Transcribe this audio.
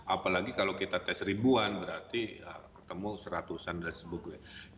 apalagi kalau kita tes ribuan berarti ketemu seratusan dan sebagainya